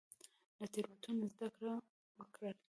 له تیروتنو زده کړه وکړئ